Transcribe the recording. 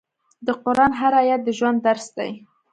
د قرآن هر آیت د ژوند درس دی.